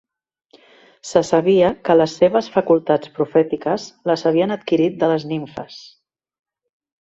Se sabia que les seves facultats profètiques les havia adquirit de les nimfes.